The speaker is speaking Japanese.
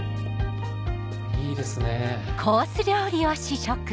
いいですね。